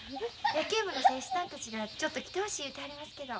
野球部の選手さんたちがちょっと来てほしい言うてはりますけど。